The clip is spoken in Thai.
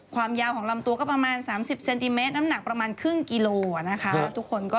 ความยาวของลำตัวก็ประมาณ๓๐เซนติเมตรน้ำหนักประมาณครึ่งกิโลนะคะ